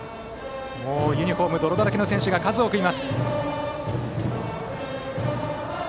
ユニフォームが泥だらけの選手が数多くいます。